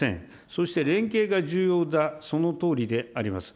そして連携が重要だ、そのとおりであります。